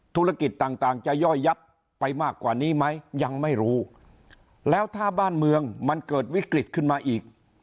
ธุรกิจต่างจะย่อยยับไปมากกว่านี้ไหมยังไม่รู้แล้วถ้าบ้านเมืองมันเกิดวิกฤตขึ้นมาอีก